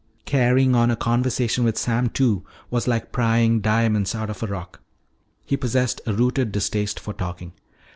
Carrying on a conversation with Sam Two was like prying diamonds out of a rock. He possessed a rooted distaste for talking.